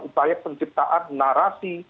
upaya penciptaan narasi